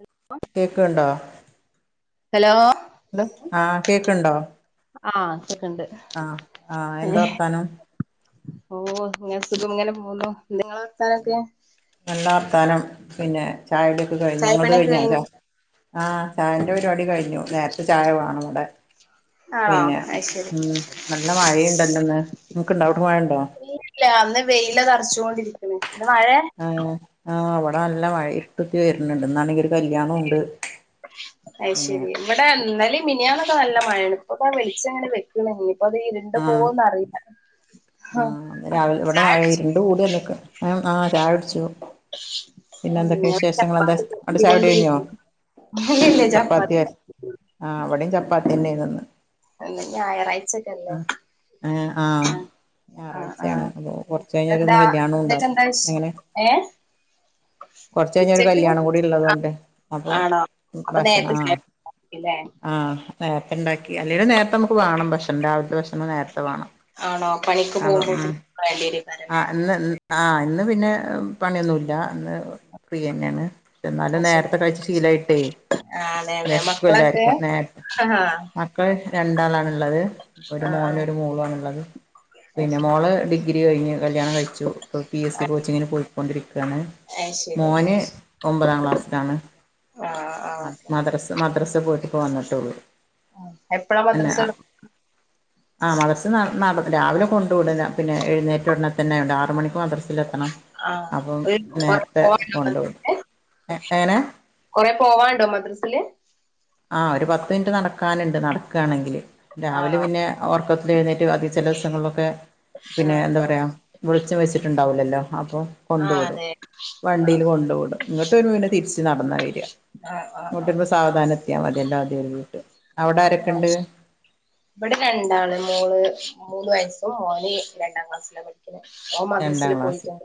Hello? കേൾക്കണ്ടോ? Hello? Hello ആഹ് കേക്കണ്ടോ? ആഹ് ച്ചക്കുണ്ട് ആഹ് ആഹ് എന്താർത്താനം? ഓ ഇങ്ങ സുഖം ഇങ്ങനെ പോന്നു നിങ്ങളെ വർത്താനൊക്കെ? നല്ല വർത്താനം പിന്നെ ചായയുടി ഒക്കെ കഴിഞ്ഞു. നിങ്ങത് കഴിഞ്ഞോ? ചാ ആഹ ചായന്റെ പരിപാടി കഴിഞ്ഞു നേരത്തെ ചായ വേണം ഇവിടെ. ആണോ പിന്നെ അത് ശരി ഉം നല്ല മഴയുണ്ടല്ലോന്ന് നിങ്ങക്ക് ഉണ്ടോ അവിടെ മഴയുണ്ടോ? ഇല്ല അന്ന് വെയില നറച്ചുകൊണ്ടിരിക്കണ്. ഇന്ന് മഴയ? ആഹ് ആഹ് ഇവിടെ നല്ല മഴ ഇർട്ടുത്തി വര്ണുണ്ട് ഇന്നാണെങ്കി ഒരു കല്യാണവുണ്ട്. അയ് ശരി ഇവിടെ ന്നലൈം മിനിയാാനൊക്കെ നല്ല മഴയാണ് ഇപ്പൊപ്പോ വെളിച്ചങ്ങനെ വെക്ക് [unintelligible] ഇരുണ്ട് ആഹ് പോവോന്നറിയില്ല ആഹ് രാവിലെ ഇവിടെ ഇരുണ്ട് കൂടിയ നിക്ക് ആഹ് ചായുടിച്ചു പിന്നെ എന്തൊക്കെയ ഞാൻ വിശേഷങ്ങൾ എന്താ? ചപ്പാത്തി അവിടെ ചായുടി കഴിഞ്ഞോ? പരത്തിക്കൊണ്ടിരിക്കുന്നു ചപ്പാത്തി പര ആഹ് ഇവിടേം ചപ്പാത്തിനെയായിരുന്ന് ഇന്ന് ഞായറാഴ്ചൊക്കെല്ലേ ആഹ് ങ ആഹ് ആഹ് ഞായറാഴ്ചയാണ് ആഹ് അപ്പൊ കൊറച്ച് കഴിഞ്ഞാല ഒന്ന് എന്താ കല്യാണം ഉണ്ടാവും ഉച്ചക്കെന്താ വിശേ എങ്ങനെ? ഏഹ് കുറച്ച് കഴി ഞ്ഞൊരു ഉച്ചക്ക് കല്യാണം കൂടി ഉള്ളതൊണ്ട് അപ്പൊ ഭക്ഷണം ആഹ് ഇല്ലേ? ആഹ് നേരത്തെണ്ടാക്കി അല്ലേലും നേരത്തെ നമുക്ക് വാണം ഭക്ഷണം രാവിലത്തെ ഭക്ഷണം നേരത്തെ വാണം ആണോ? പണിക്ക് പോകുമ്പോ പിന്നെ വേണ്ടി [unintelligible] അന്ന് ആ ഇന്ന് പിന്നെ പണിയൊന്നുല്ല ഇന്ന് ഫ്രീ യെന്നേണ് എന്നാലും അത് ശരി നേരത്തെ കഴ്ച്ച് ശീലായിട്ടേ ആ അതെ അതെ വെഷ്ക്കും മക്കളൊക്കെ എല്ലാർക്കും നേര ആഹ് മക്കൾ രണ്ടാളാണ്ള്ളത് ഒരു ആ ആ മോനും ഒരു മോളു ആണുള്ളത് അത് പിന്നെ ശരി മോള് ഡിഗ്രി കഴിഞ്ഞ് കല്യാണം കഴിച്ചുപ്പ പി എസ് സി കോച്ചിങ്ങിന് പോയിക്കൊണ്ടിരിക്കാണ് അത് ശരി മോന് ഒമ്പതാം ക്ലാസ്സിലാണ് ആ ആ മദ്ര മദ്രസ പോയിട്ട് പ്പവന്നിട്ടുള്ളൂ എപ്പളാ മദ്രസടു ആ മദ്രസ് ന്ന [unintelligible] രാവിലെ ഉടനെ പിന്നെ എഴുന്നേറ്റ ഉടനെതന്നെ ആറുമണിക്ക് മദ്രസ് ലെത്തണം ആ അപ്പം ഒരു നേരത്തെ പോവാണ്ടോ കൊണ്ട് വിടും എ എങ്ങനെ? കൊറെ പോവാണ്ടോ മദ്രസില്? ആഹ് ഒരു പത്ത് മിനിറ്റ് നടക്കാനുണ്ട് നടക്കാണെങ്കില് രാവിലെ ആണോ പിന്നെ ഒർക്കത്തി എഴുന്നേറ്റ് അദ്യം ചില ദിവസങ്ങളിലൊക്കെ ആ പിന്നെ എന്താ പറയാ വെളിച്ചം വെച്ചിട്ടുണ്ടാവില്ലല്ലോ അപ്പൊ ആ കൊണ്ട് വിടും അതെ ആ വണ്ടിയിൽ കൊണ്ടു വ്ടും ഇങ്ങോട്ട് വരുമ്പൊ പിന്നെ തിരിച്ച് നടന്നാ വരാ ആ ആ ങ്ങട്ട് ആ വരുമ്പൊ സാവധാനത്തിയാ മതില്ലോ അതെര്തിട്ട് അഅ് ശരി ബടെ രണ്ടാള് മോള് മൂന്ന് വയസ്സും മോന് രണ്ടാം ക്ലാസ്സിലാ പഠി ഓൻ മദ്രസില് പോയിട്ട [inaudible]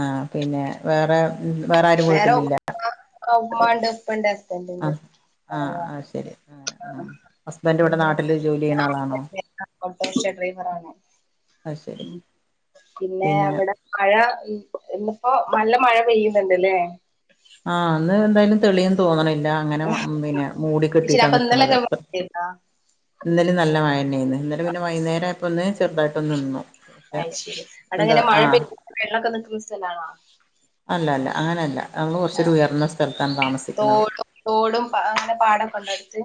ആ പിന്നെ വേറെ ഉം വേറെ ആരും വേറെ [inaudible] വീട്ടിലില്ല മ്മണ്ട് പ്പണ്ട് ആ ആ ആ ശരി അ ഉം ഹസ്ബൻഡ് വിടെ പിന്നെ നാട്ടില് ജോലി ചെയ്യണ ആളാണോ? ഓട്ടോറിക്ഷ ഡ്രൈവറാണ് അഅ് ശരി ഉം പിന്നെ അവിടെ മഴ ഇന്നിപ്പോ നല്ല മഴ പെയ്യുന്നുണ്ട്ല്ലേ? ആഹ ന്ന് എന്തായാലും തെളിയും തോന്നണില്ല അങ്ങനെ പിന്നെ മൂടി ശരി കെട്ടീട്ടാ അപ്പൊ നിക്കണത് ഇന്നലൊക്കെ മഴയായിരുന്നോ ഇന്നലെം നല്ല മയന്നെയ്ന് ഇന്നലെ പിന്നെ വൈന്നേരം ആയ പ്പം ഒന്ന് ചെറുതായ്ട്ടൊന്ന് നിന്നു പക്ഷെ എന്താ ആ വെള്ളക്കൊ നിക്ക്ന്ന സ്ഥലാണോ? അല്ല അല്ല അങ്ങനെയ അല്ല നമ്മള് ആഹ് കുറച്ചൂയർന്ന സ്ഥലത്താണ് താമസിക്കുന്നത് തോടും തോടും അങ്ങനെ പാടൊ കൊണ്ടെടുത്ത്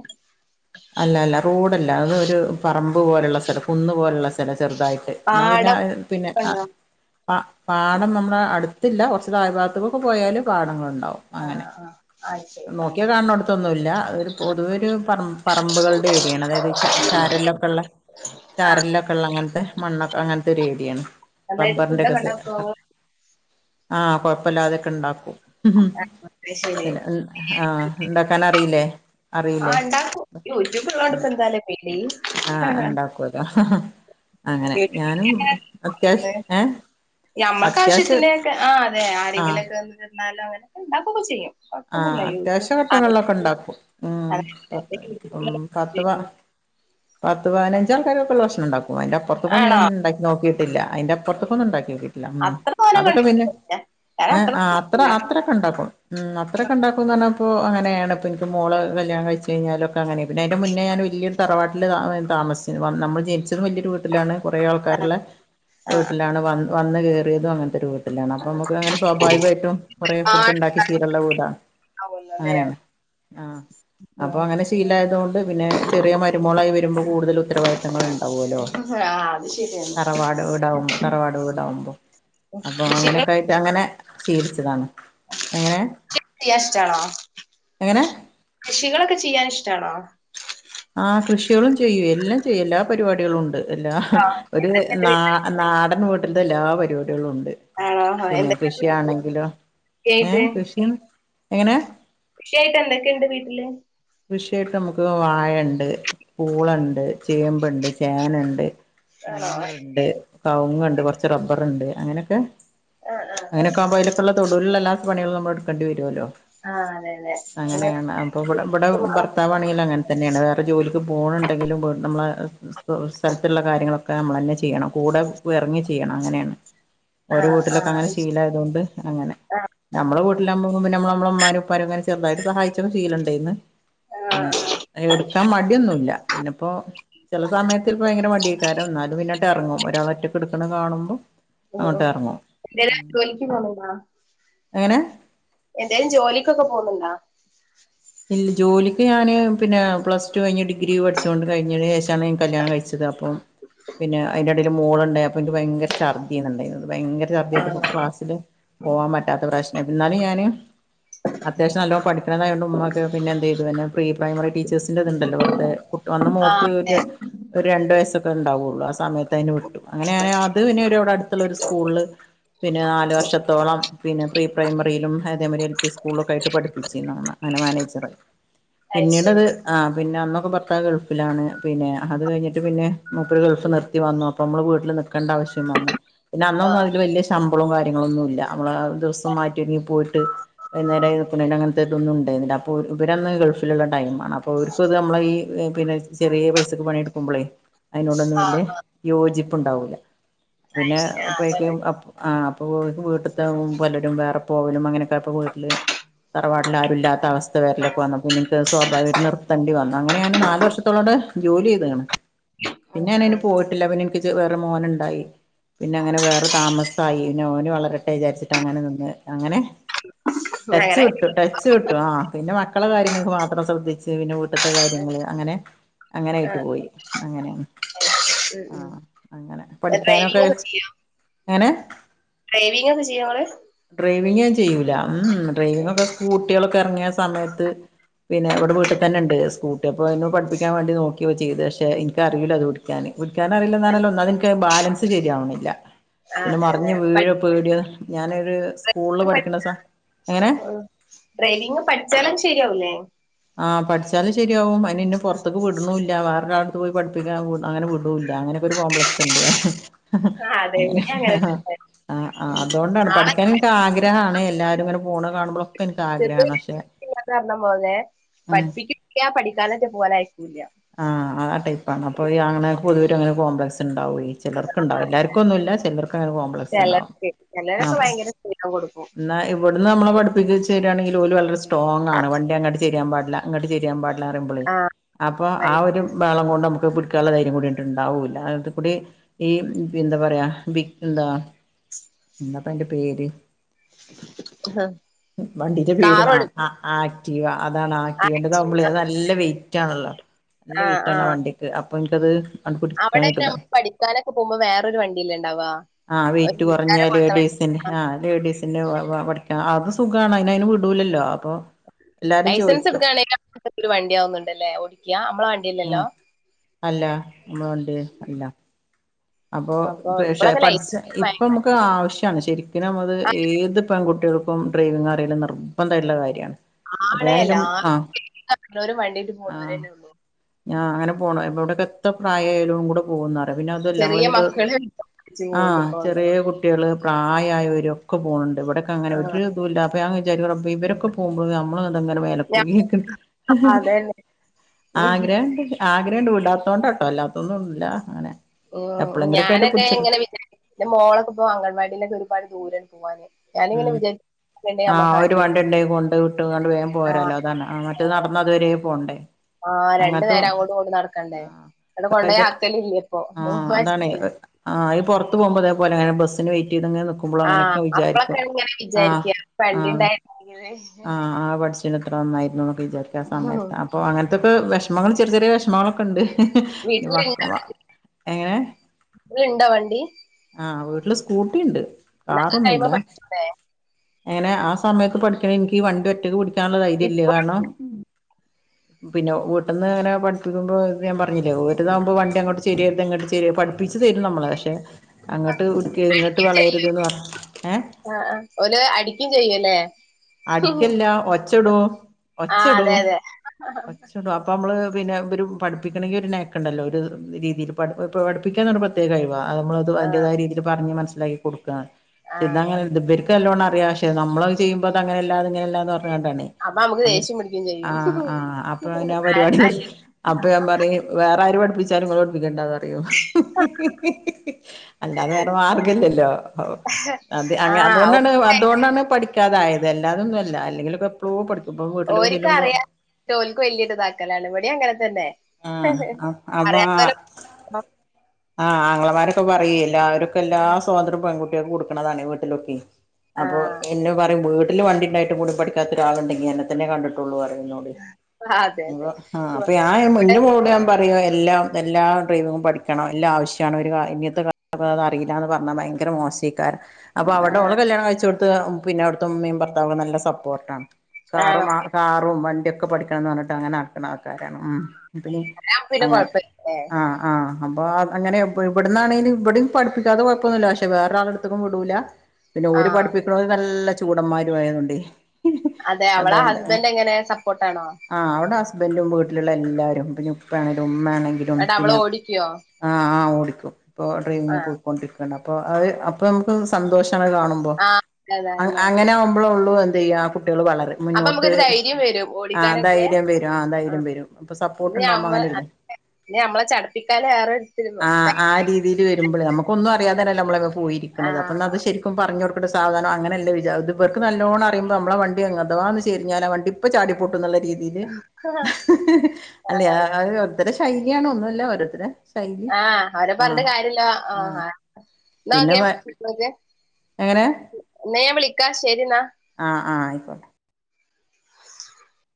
അല്ല അല്ല റോഡല്ല അതൊ ഒരു പറമ്പ് പോലള്ള സ്ഥലം കുന്ന് പോലള്ള സ്ഥ സ്ഥല ചെറുതായിട്ട് എന്നാ ആട പിന്നെ പിന്നെ ഉണ്ടോ ആ പാഠം നമ്മുടെ അടുത്തില്ല കുറച്ച് താഴ് ഭാത്തക്കൊക്കെ പോയാല് പാടങ്ങള്ണ്ടാവും ആഹ് ആഹ് അത് ശരി നോക്ക്യാ ആഹ് കാൺണോട്ത്തൊന്നുല്ല ഒരു പൊതുവെ ഒരു പറ പറമ്പുകളുടെ ഏരിയാണ് അതായത് ചാരല്ല ള്ള ആഹ് ചാരലൊക്കെ ഉള്ള അങ്ങനത്തെ മണ്ണൊക്കെ അങ്ങനത്തെ ഒരു ഏര്യയാണ് നന്നായിട്ട് റബ്ബറിന്റെ ഒക്കെ ഫുഡൊക്കെ സ ഉണ്ടാക്കോ ഇങ്ങള് ആഹ കൊഴപ്പല്ലാതെയൊക്കെ ഇണ്ടാക്കും [inaudible] ആഹ് ഉണ്ടാക്കനറിയില്ലേ ആ ഉണ്ടാക്കും യൂട്യൂബള്ളോണ്ടപ്പോ എന്താലേ പേടി ആ ഉണ്ടാക്കൂല്ലോ അങ്ങനെ ഞാനും അത്യാവശ്യം ഏ മ്മക്ക് ആവശ്യത്തി ഒക്കെ ആ അതെ ആഹ് ആരെങ്കിലും ഒക്കെ വന്ന് വന്നാലും അങ്ങനൊക്കെ ഉണ്ടാക്കുകൊക്കെ ചെയ്യും ആഹ് കൊഴപ്പൊന്നുല്ല യൂട്യൂബ് അത്യാവശ്യ ഘട്ടങ്ങളിലൊക്കെ ഉണ്ടാക്കും ഉം പത്ത് പത്ത് വ പത്ത് പതിനഞ്ചാൾക്കാർക്കൊള്ള ഭക്ഷ്ണം ഉണ്ടാക്കും അതിന്റെ പുറത്തു കൊന്നും ആണോ ഞാൻ ഉണ്ടാക്കി നോക്കിയിട്ടില്ല അതിന്റെപ്പർത്തു ക്കൊന്നും ഉണ്ടാക്കി നോക്കിയിട്ടില്ല ഉം അത്ര തോനൊക്കെ അതൊക്കെ പിന്നെ ഉണ്ടാക്കലില്ല ഞാൻ ഏ ഒന്നും അത്ര ഉണ്ടാക്കില്ല അത്രൊക്കെ ഉണ്ടാക്കും ഉം അത്രക്കെണ്ടാക്കും ന്ന പറഞ്ഞാപ്പോ അങ്ങനേണ് ഇപ്പോ ഇൻക്ക് മോള് കല്യാണം കഴിച്ചഴി ഞ്ഞാലൊക്കെങ്ങനെ പിന്നെ അയിൻ്റെ മുന്നെ ഞാൻ വല്യരു തറവാട്ടിൽ താമസിച്ചുന്നത് നമ്മൾ ജനിച്ചത് വലിയൊരു വീട്ടിലാണ് കുറെ ആഹ് ആൾക്കാരുള്ള ആഹ് വീട്ടിലാണ് വ വന്ന് കയറിയതും അങ്ങനത്തെ ഒരു വീട്ടിൽ അപ്പ നമുക്കങ്ങെനെ സ്വഭാവികമായിട്ടും കുറെ ആഹ് ഫുഡ് ഉണ്ടാക്കി ഉണ്ടാക്കലുണ്ടാവല്ലോ ശീലുള്ള ല്ലേ അങ്ങനെയാണ് ആ അപ്പൊ ഉം അങ്ങനെ ശീലായത കൊണ്ട് പിന്നെ ചെറിയ മരുമോളായി വരുമ്പോൾ കൂടുതൽ ഉത്തരവാദിത്തങ്ങൾ ഉണ്ടാവുമല്ലോ ആ അത് ശരിയ തറവാട് വീടകുമ്പോ തറവാട് വീടാവുമ്പോ അപ്പൊ കൃഷികൾ അങ്ങനെയൊക്കെ അതങ്ങനെ ശീലിച്ചതാണ് എങ്ങനെ ചിപ് ജിയാ ഇഷ്ടാണേ എങ്ങനെ കൃഷികളൊക്കെ ചെയ്യാൻ ഇഷ്ടാണോ ആ കൃഷികളും ചെയ്യും എല്ലാം ചെയ്യും എല്ലാ പരിപാടികളും ഉണ്ട് എല്ലാ ആഹ് ഒരു എന്തൊക്കെണ്ട് നാ വീ ആ നാടൻ വീട്ടിലത്തെ എല്ലാ പരിപാടികളും ഉണ്ട് ആണോ പിന്നെ എന്തൊക്കെണ്ട് കൃഷിയാണെങ്കിലോ ഏ കൃഷിയായിട്ട് കൃഷി എങ്ങനെ കൃഷിയായിട്ട് എന്തൊക്കെയുണ്ട് വീട്ടില് കൃഷിയായിട്ട് നമുക്ക് വാഴണ്ട് പൂളണ്ട് ചേമ്പുണ്ട് ചേനണ്ട് ആണോ മഞ്ഞൾണ്ട് കവുങ്ങ് ഉണ്ട് കുറച്ച് റബ്ബർണ്ട് അങ്ങനെയൊക്കെ ആഹ് ആഹ് അങ്ങനെയൊക്കെ ആവുമ്പോ അതിലെ തൊടുല്ല എല്ലാ പണികും നമ്മൾ എടുക്കേണ്ടി വരുല്ലോ ആഹ് അതെ അതെ അങ്ങനെയാണ് അപ്പ ഇവിടെ ഇവിടെ ഇങ്ങ ഭർത്താവ ആണെങ്കിലും അങ്ങനെ തന്നെയാണ് വേറെ ജോലിക്ക് പോകണുണ്ടെിലും നമ്മള സ്ഥലത്തുള്ള കാര്യങ്ങളൊക്കെ നമ്മൾ തന്നെ ചെയ്യണം കൂടെ ഇറങ്ങി ചെയ്യണം അങ്ങനെയാണ് ഓരോ ആഹ് വീട്ടിലൊക്കെ ആഹ് അങ്ങനെ ഇഷ് ശീലായത കൊണ്ട് അങ്ങനെ ആഹ് ആഹ് നമ്മളെ ല്ല നമ്മളമ്മമാരും ഉപ്പാരും അങ്ങെ ചെറുതായിട്ട സഹായിച്ചൊക്ക ചെയ്യലുണ്ടെ അനെ എടുക്കാൻ മടിയൊന്നുല്ല പിന്നപ്പോ ചില സമയത്തി ചെൽപ്പോ ഭയങ്കര മടിയക്കാരം എന്നാലും പിന്നിട്ട് ഇറങ്ങും ഒരാള ഒറ്റൊക്കെ എടുക്കണ കാണുമ്പോ ഓ അങ്ങോട്ട് ഇറങ്ങും എന്തേലും ജോലിക്ക് പോന്നുണ്ടോ എങ്ങനെ എന്തേലും ജോലിക്കൊക്കെ പോകുന്നുണ്ടോ ഇല്ല ജോലിക്ക് ഞാന് പിന്നെ പ്ലസ് ടു കഴിഞ്ഞ് ഡിഗ്രി പഠിച്ചോ കൊണ്ട് കഴിഞ്ഞതിന് ശേഷമാണ് കല്യാണം കഴിച്ചത് അപ്പം പിന്നെ അതിന്റെടയിയില് മോളുണ്ടായി അപ്പൊ എനിക്ക് ഭയങ്കര ഛർദിന്ണ്ടായി ഭയങ്കരഛർദി ആണോ? ആയിട്ട് ക്ലാസ്സില് പോവാൻ പറ്റാത്ത പ്രശ്നം ന്നാലും ഞാന് അത്യാവശ്യം നല്ലോണം പഠിക്കണതായൊണ്ട് ഉമ്മ പിന്നെ എന്തു ചെയ്തു പിന്നെ പ്രീ പ്രൈമറി ടീച്ചേഴ്സിന്റെ ഇതുണ്ടല്ലോ വെറുതെ അന്ന് ആഹ് മോക്ക് അതെ ഒരു രണ്ടു വയസൊക്കെ ഉണ്ടാവുകയുള്ളൂ ആ സമയത്ത് ത്തന് വിട്ടു അങ്ങനെ ഞാൻ അത് വിടെ അടുത്തുള്ള ഒരു സ്കൂള് പിന്നെ നാല് വർഷത്തോളം പിന്നെ പ്രീ പ്രൈമറിയിലും അതേ മതിരി എൽ പി സ്കൂളൊക്കെ ആയിട്ട് പഠിപ്പിച്ചിന്നന്ന് അങനെ മാനേജ് പിന്നീട അയ്ശരി അത് ആ പിന്നെ അന്നൊക്കെ ഭർത്ത ഗൾഫിലാണ് പിന്നെ അത് കഴിഞ്ഞിട്ട് പിന്നെ മൂപ്പര് ഗൾഫ് നിർത്തി വന്നു അപ്പൊ നമ്മള് വീട്ടിൽ നിക്കേണ്ട ആവശ്യം വന്നു പിന്നെ അന്നൊന്നന്ന് ആഹ് അതില് വലിയഷ് ശമ്പളവും കാര്യങ്ങളൊന്നുമില്ല നമ്മള ദിവസം മാറ്റിയൊരുങ്ങി പോയിട്ട് വൈന്നേരം അങ്ങനെ അന്നും ഉണ്ടായിന്നില്ല അപ്പോൾ ഇവരൊന്ന് ഗൾഫിലുള്ളടൈമാണ് അപ്പോൾ അപ്പ അവർക്കും അത് നമ്മള പിന്നെ ചെറിയ പൈസക്ക് പണിയെടുക്കുമ്പോളേ അതിനോടൊന്നും ആഹ് വല്യ ആഹ് യോജിപ്പുണ്ടാവൂല്ല പിന്നെ അയ്ശരി ആഹ് അപ്പക്കെയ അതാണ് ആഹ് അപ്പൊ വീട്ടത്തെ പലരും വേറെ പോവലും അങ്ങനെയൊക്കെ അപ്പൊ വീട്ടില് തറവാട്ടില ആരുല്ലാത്ത അവസ്ഥ ലക്കെ വന്ന പിന്നെ എനിക്ക് സ്വാഭാവിക ഒരു നിർത്തണ്ടി വന്ന അങ്ങന ഞാന് നാല് വർഷത്തോടെ ജോലി ചെയ്തണ് ആഹ് പിന്നെ അതിനു ആഹ് പോയിട്ടില്ല പിന്ന എനിക്ക് വേറെ മോനുണ്ടായി പിന്നെ അങ്ങനെ വേറെ താമസായിന്ന ഓന് വളരട്ടെ വിചാരിച്ചിട്ട് അങ്ങനെ നിന്ന് അങ്ങനെ ടച്ച് അങ്ങനെ വിട്ടു ടച്ച് കിട്ടും ആ പിന്നെ മക്കളെ കാര്യങ്ങൾക്ക് മാത്രം ശ്രദ്ധിച്ചു വിന് വീട്ടിത്തെ കാര്യങ്ങള് അങ്ങനെ അങ്ങനൊയിട്ട് ആഹ് പോയി അങ്ങനെ ഉം ആഹ ഉം അങ്ങനെ ഡ്രൈവിംഗ് പഠിക്കാനൊക്കെ ഒക്കെ ചെയ്യോ എങ്ങനെ ഡ്രൈവിംഗ് ഒക്കെ ചെയ്യോ ങ്ങള് ഡ്രൈവിങ് ഞാൻ ചെയ്യൂല ഉം ഡ്രൈവിംഗ് ഒക്കെ സ്കൂട്ടികളൊക്കെ ഇറങ്ങിയ സമയത്ത്. പിന്നെ ഇവിടെ വീട്ടി തന്ന ഉണ്ട് സ്കൂട്ടി അപ്പോ ന്നേ പഠിപ്പിക്കൻ വേണ്ടി നോക്കിയോ ചെയ്ത് പക്ഷെ എനിക്ക അറിയില്ലോ അതോടി ക്കാന് ഓടിക്കാൻറില്ലന്ന്റഞ്ഞ ഒന്നാവത് ബാലൻസ് ശരിയാവണില്ല ആഹ് പിന്നെ അതെ അതെ മറിഞ്ഞ് വീഴും പേടിയ ഞാനൊരു സ്കൂളില് പഠിക്കണ സാ എങ്ങന? ഡ്രൈവിങ് പഠിച്ചാലത് ശരിയാവുല്ലേ? ആഹ് പഠിച്ചാല് ശരിയാവും അയിന്ന്നെ പുറത്തേക്ക് വിട്ണുല്ല വേറൊ ത്ത് പോയി പഠിപ്പിക്കാൻ വിടു അങ്ങനെ വിടൂഅല്ല അങ്ങനൊക്കൊ ഒരു കോംപ്ലക്സ് ണ്ട് ആഹ് അതെ അങ്ങനെ ഇവിടേം തന്നെ ആഹ് ആഹ് അതുകൊണ്ടാണ് ആളെ പഠിക്കാന് ക്ക് ആഗ്രഹാണ് എല്ലാരും ഇങ്ങനെ പോണ കാണുമ്പോളൊക്കെ എനക്ക് ആഗ്രഹാണ് പക്ഷെ ന്ന് [unintelligible] പറഞ്ഞ [unintelligible] പോതെ ഉം പഠിപ്പിക്ക പഠിക്കാനൊക്കെ പോലെ അയക്കൂല്ല ആഹ് ആ ടൈപ്പാണ് അപ്പൊ ഈ ആണ്ക് പൊതുവേരു അങ്ങനെ കോംപ്ലക്സ് ഉണ്ടാവൂവേ ചിലർക്കിണ്ടാവും എല്ലാർക്കും ഒന്നുംല്ല ചിലർക്ക് അങ്ങനെ കോംപ്ലക്സ് ഉണ്ടാവും ആഹ് [unintelligible] കൊടുക്കു എന്നാ ഇവിടുന്ന് നമ്മെളേ പഠിപ്പിച്ചുരികയെങ്കി ഓല് വളരെ സ്ട്രോങ് ആണ് വണ്ടി അങ്ങോട്ട് ചെയരിൻ പാടില്ല ഇങ്ങട്ട് ചെയരിൻ പാടില്ല അറയുമ്പുളി ആഹ് അപ്പോ ആ ഒരു ബഹളം കൊണ്ട് നമക്ക് പിടിക്കാനുള്ള ധൈര്യം കൂടിയിട്ട് ഉണ്ടാവുല്ല അത് കൂടി ഈ പ് എന്താ പറയാ വി എന്താ അപ്പ യിന്റെ പേര് വണ്ടിന്റെ പേരു ആ കാറോടുക്കും ആ ആക്റ്റീവ അതാണ് ആക്ടിവ ആഹ് നല്ല വെയിറ്റ്ണല്ലോ നല്ല വെയിറ്റ് ആണ് വണ്ടി അപ്പ നിക്കത് അവിടെക്കേ നമ്മ പഠിക്കാനൊക്കെ പോകുമ്പോ വേറൊരു വണ്ടില്ലേ ഉണ്ടാവാ?. ആഹ് വെയിറ്റ് കുറഞ്ഞ ലേഡീസിന് ആഹ് ലേഡീസ് പിന്നെ വ വ പഠിക്കാ അത് സുഖാണ് അയിന് അയിന് വിടൂലല്ലോ അപ്പൊ എല്ലാരും ലൈസൻസ് ചോദിക്കും എടുക്കുകയാണെങ്കിൽ ഒരു വണ്ടിയാവവുന്നുണ്ടല്ലേ ഓടിക്ക നമ്മള ഉം അല്ല നമ്മളണ്ടി അല്ല അപ്പോ അപ്പൊ തീര് ശായി ഇപ്പോഴൊക്കെ പഠിച്ച ലൈസൻസ് ഇപ്പ ഭയങ്കര നമുക്ക് ആവശ്യാണ് ശരിക്കിന് മ്മത് ആ, ഏത് പെൺകുട്ടികൾക്കും ഡ്രൈവിംഗ് അറിയുന്ന നിർബന്ധയുള്ള കാര്യാണ് ആണേ ല്ലാ ആ [unintelligible] എണോരം വണ്ടീട്ട് പോണര്ന്നെ ഉള്ളൂ ഞാന് പോകണ ഇവിടൊക്കെ എത്ര പ്രായാലലും കൂടെ പോകുന്നാറ്യോ പിന്നെ തുല്ല ചെറിയ നമ്മളീനിപ് മക്കളെ വിളിച്ച് പോകുന്നുണ്ട് ആഹ് ഇപ്പൊ അവിടെ ചെറിയ കുട്ട കുട്ടികള് പ്രായമായവരും ഒക്കെ പോകുന്നുണ്ട് ഇവിടൊക്കെ അങ്ങനെ ആ, ഒരുത ഇല്ല അ വിചാരി [unintelligible] ഇവരൊക്കെ പോകുമ്പോൾ നമ്മള തങ്ങനെ മേലെ ഞാൻ പോയി [unintelligible] അതന്നെ ഉം. ആഗ്രഹ ഉണ്ട്ന് ആഗ്രഹം ഉണ്ട് വിടാത്തതോണ്ടാ ട്ടോ അല്ലാത്തൊന്നും ഇല്ല അങ്ങനെ ഉം എപ്പളെങ്കിലൊക്കെ ആയിട്ട് ഞാനൊക്കെ പിടിച്ചിട്ട് എങ്ങനെ വിചാരി മോളൊക്കെ ഇപ്പോ അംഗൻവാടിയിലൊക്കെ ഒരുപാട് ദൂരണ്ട് പോവാന് ഞാനിങ്ങനെ വിചാരി ആഹ് ഒരു വണ്ടി ഉണ്ടേ കൊണ്ട് വിട്ട്ണ്ട് വേൻ ആ പോരല്ലോ അതാണ് അഹ് ആ, മറ്റേത് നടന്നതുവരെയ പോകണ്ടേ [inaudible] ആഹ് രണ്ടു നേരം അങ്ങോട്ടിങ്ങോട്ട് നടക്കണ്ടേ അവിടെ കൊണ്ട പോയി ആക്കല് ഇല്ല്യാ പ്പൊ മൂന്ന്സ ആഹ് ഈ പുറത്ത് പോവുമ്പോ അതേലെങ്ങനെ ബസിന് വെയിറ്റ് തങ്ങനെ നിക്കുമ്പോ അങ്ങനൊക്കെ വിചാരിക്കും. ഞാൻ വിചാരിക്ക വണ്ടിണ്ടായിങ്ങനേ ആഹ് ആ പഠിച്ചിന് ഇത്ര നന്നായിരുന്നു വിചാരിക്കാ സമയത്ത് അപ്പോ അങ്ങനത്തൊക്കെ വിഷമങ്ങൾ ചെറിയ ചെറിയ വിഷമങ്ങളൊക്കെ ഉണ്ട് ഇനി വീട്ടിലുണ്ടോ മക് മ എങ്ങനെ വി ഉണ്ടാവണ്ടി? ആഹ് വീട്ടില് സ്കൂട്ടിണ്ട് ഇന്നത്തെ കാറൊന്നുല്ല ടൈമ് പഠിച്ചൂടെ അങ്ങനെ ആ സമയത്ത് പഠിക്കണ എനിക്ക് വണ്ടി ഒറ്റക്ക് പിടിക്കാനുള്ള ധൈര്യല്ല്യ ഇപ്പഴും കാണോം [inaudible] പിന്നെ വീട്ട്ന്ന് അങ്ങനെ പിഠ്പ്പിക്ക്പോ ഞാ പറഞ്ഞില്ലേ ഒരു താവുമ്പോ വണ്ടി അങ്ങട്ട് ചെരിയരുത്ങ്ങോട്ട് പഠ്പി പപ്പിച്ചച്ച് തരും നമ്മളെ പക്ഷെ അങ്ങോട്ട് ഇടുക്ക ഇങ്ങോട്ട് വളയരുതന്ന് പറ ഏഹ് ആഹ് ആഹ് ഓല് അടിക്കും ചെയ്യൂല്ലേ? അടിക്കല്ല ഒച്ചടും ആഹ് അതെ ഒച്ചടും അതെ ഒച്ചടും അ പ്പമ്മള് പിന്നെ ഒര് പഠിപ്പിക്കണങ്കി ഒരു നാക്ക്ണ്ടല്ലോ ഒര് രീതില് പഠ് ഇ പഠിപ്പിക്കാൻ പ്രത്യേക കഴിവാ അത് മ്മൾ തു ആഹ് അയിൻ്റെതായ രീതീല് പറഞ് മനസ്സിലായി കൊട്ക്ക പക്ഷെ ആഹ് അതെ ഇതങ്ങനെൽ അതെ ഇത് ഇവര്ക്കല്ലോണം അറിയാ പക്ഷെ നമ്മളത് ചിയ്യു മ്പതങ്ങനെല്ലാ ഇങ്ങനെല്ലാന്ന് പറഞ്ങ്ങാണ്ടാണേ അപ്പൊ നമുക്ക് ദേഷ്യം പിടിക്കും ചെയ്യും ആഹ് ആഹ് അപ്പൊ അതിന് ആ പരിപാടി [unintelligible] അപ്പൊ ഞാൻ പറയും വേറെ ആരും പഠിപ്പിച്ചാലും നിങ്ങള് പഠപ്പിക്കേണ്ടാന്ന് പറ യും അല്ലാതെ വേറെ മാർഗം ഇല്ലല്ലോ അതെ അ ആഹ് അതുകൊണ്ടാണ് അതുകൊണ്ടാണ് പഠിക്കാതായത് എല്ലാതൊന്നുമല്ല അല്ലെങ്കി എപ്പളോ പഠിക്കും വീട്ടിലൊക്കെ ഓരിക്ക് ചെല്ലുമ്പോ അറിയാം ജോലിക്ക് വലിയ [unintelligible] ഇവിടേം അങ്ങന തന്നെ ആഹ് അപ്പൊ ആ അറിയാത്തോലെ ആഹ് ആങ്ങങ്ങളമാരൊക്കെ പറയും എല്ലാവര്ക്കും എല്ലാ ആഹ് സ്വാതന്ത്രം പെൺകുട്ടികൾക്ക് കൊടുക്കണതാണ് വീട്ടിലൊക്കെ അപ്പൊ ആഹ് എന്നെ പറയും വീട്ടില് വണ്ടി ഉണ്ടായിട്ട് കൂടി പഠിക്കാത്ത ഒരാളുണ്ടെങ്കി എന്നെ തന്നെ കണ്ടിട്ടുള്ളു പറയു മൂന്ന് അതെ അതെ ആഹ് അപ്പൊ ഇവ- ഞാ ഇവിടെ കൂടാൻ പറയും എല്ലാം എല്ലാ ഡ്രൈവിങ്ങും പഠിക്കണം എല്ലാം ആവശ്യമാണ് ഒരു കാ ഇനിയത്തെ കാ അത് അറിയില്ലാന്ന് പറഞ്ഞാ ഭയങ്കര മോശിക്കാര അപ്പൊ അവിടെ ഉള്ള കല്യാണം കഴിച്ച കൊടുത്ത് പിന്നെ അവിടുത്തെ ഉമ്മേം ഭർത്താവും നല്ല സപ്പോർട്ടാണ് കാറു ആഹ് കാറും വണ്ടിയൊക്കെ പഠിക്കണം എന്ന് പറഞ്ഞിട്ട് അങ്ങനെ നടക്കണ ആൾക്കാരാണ് ഉം പിന്നെ പിന്നെ അങ്ങനെ കൊഴപ്പല്ലേ ആഹ് ആഹ് അപ്പൊ അങ്ങനെ ഇവിടന്നാണെങ്കിലും ഇവിടയും പഠിപ്പിക്കാതെ കുഴപ്പൊന്നില്ല പക്ഷെ വേറെ ആളുടെടുത്തെക്കൊന്നും വിടൂല പിന്നെ ഓര് ആഹ് പഠിപ്പിക്കണല് നല്ല ചൂടന്മാരു ആയതൊണ്ടെ അതെ അവളെ ഹസ്ബന്റ് എങ്ങനെ സപ്പോർട്ട് ആണോ ആഹ് അവിടെ ഹസ്ബന്റും വീട്ടിലുള്ള എല്ലാരും പിന്നെ ഉപ്പ ആണെങ്കിലും ഉമ്മ ആണെങ്കി ലും എന്നട്ട് അവള് പിന്നെ ഓടിക്കോ ആഹ് ആഹ് ഓടിക്കും ഡ്രൈവി ആഹ് കൊണ്ടിരിക്കണ് അപ്പോ അത് അപ്പോ നമുക്ക് സന്തോഷമാണ് കാണുമ്പൊ ആഹ് അതന്നെ അങ്ങനെ ആവുമ്പൊളേ ഉള്ളൂ എന്ത് ചെയ്യ കുട്ടികൾ വളരെ അപ്പൊ മുന്നോട്ട് നമുക്കൊരു ധൈര്യം വരും ആ ഓടിക്കാനൊക്കെ ധൈര്യം വരും ആ ധൈര്യം വരും അപ്പൊ സപ്പോ [unintelligible] ഇനി നമ്മളെ ചടപ്പിക്കാന് വേറെ [unintelligible] ആഹ് രീതിയിൽ വരുമ്പൊളേ നമുക്കൊന്നും അറിയാതല്ല നമ്മള് പോയിരിക്കുന്നത് അപ്പന്ന അത് ആഹ് ശരി ക്കും പറഞ്ഞുകൊടുക്കേണ്ട സാവധാന അങ്ങനല്ല വിച ഇവർക്ക് നല്ലോണം അറിയുമ്പോ നമ്മുടെ വണ്ടി എങ്ങൊട്ടോഒന്ന് ചരിഞ്ഞാല വണ്ടി ഇപ്പൊ ചാടിപൊട്ടും എന്നുള്ള രീതില് ഓരോരുത്തരെ ശൈലിയാണ് ഒന്നുല്ല ഓരോരുത്തര് ആഹ് അവരെ പറഞ്ഞിട്ട് കാര്യമില്ല ആഹ് ന്നാ പിന്നെ ഒക്കെ [unintelligible] എങ്ങനെ ന്നാ ഞാൻ വിളിക്കാ ശരി എന്നാ ആഹ് ആഹ് ആയിക്കോട്ടെ